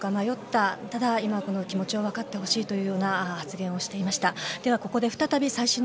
ただ今のこの気持ちを分かってほしいというような発言をしていました。